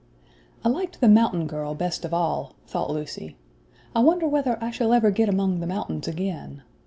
"I LIKED the mountain girl best of all," thought Lucy. "I wonder whether I shall ever get among the mountains again.